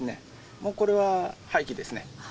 もうこれは、廃棄ですね。